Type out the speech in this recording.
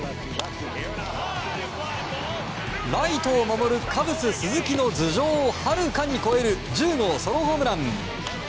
ライトを守る、カブス鈴木の頭上をはるかに越える１０号ソロホームラン。